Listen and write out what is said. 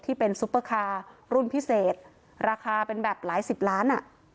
ซุปเปอร์คาร์รุ่นพิเศษราคาเป็นแบบหลายสิบล้านอ่ะ